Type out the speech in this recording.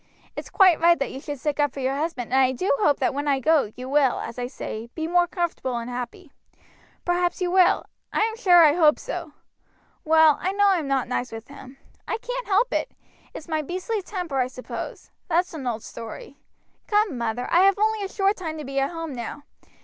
It's quite right that you should stick up for your husband, and I do hope that when I go you will, as you say, be more comfortable and happy. Perhaps you will. I am sure I hope so. Well, I know I am not nice with him. I can't help it. It's my beastly temper, I suppose. That's an old story. Come, mother, I have only a short time to be at home now.